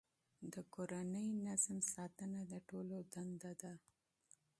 د کورني نظم ساتنه د ټولو دنده ده.